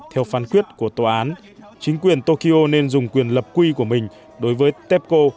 theo phán quyết của tòa án chính quyền tokyo nên dùng quyền lập quy của mình đối với tepco